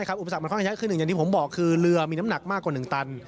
แค่หนึ่งอย่างที่ผมบอกคือเรือมีน้ำหนักมากกว่า๑ตัน